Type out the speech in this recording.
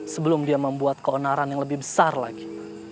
sebelum dia membuat keonaran yang lebih besar lagi